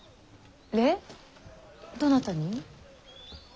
どなたに？